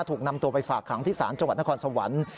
ถูกนำตัวไปฝากขังที่ศาลจังหวัดนครสวรรค์